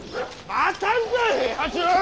待たんか平八郎！